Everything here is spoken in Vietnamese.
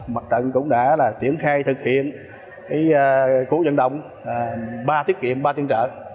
mặt trận cũng đã triển khai thực hiện khu vận động ba tiết kiệm ba tiền trợ